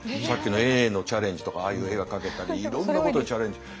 さっきの絵へのチャレンジとかああいう絵が描けたりいろんなことチャレンジ。